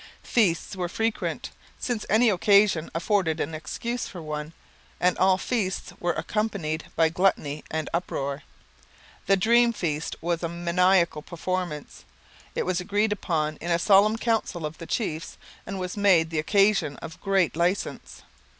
Feasts were frequent, since any occasion afforded an excuse for one, and all feasts were accompanied by gluttony and uproar. The Dream Feast was a maniacal performance. It was agreed upon in a solemn council of the chiefs and was made the occasion of great licence.